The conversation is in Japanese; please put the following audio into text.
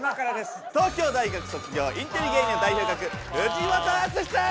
東京大学卒業インテリ芸人の代表格藤本淳史さん！